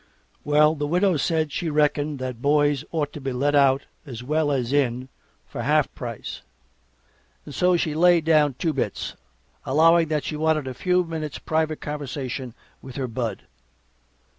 Well, the Widow said she reckoned that boys ought to be let out as well as in for half price, and so she laid down two bits, allowing that she wanted a few minutes' private conversation with her Bud.